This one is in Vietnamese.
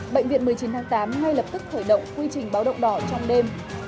bệnh viện một mươi chín tháng tám ngay lập tức khởi động quy trình báo động đỏ trong đêm